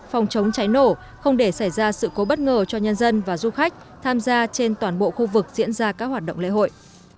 phòng chống cháy nổ không để xảy ra sự cố bất ngờ cho nhân dân và du khách tham gia trên toàn bộ khu vực diễn ra các hoạt động lễ hội